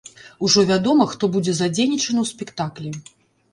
Ужо вядома, хто будзе задзейнічаны ў спектаклі.